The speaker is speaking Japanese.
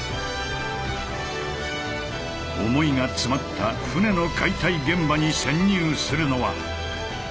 思いが詰まった船の解体現場に潜入するのは。